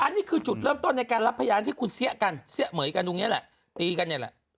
อันนี้คือจุดเริ่มต้นในการรับพยานที่คุณเสี้ยกันเสี้ยเหม๋ยกันตรงเนี้ยแหละ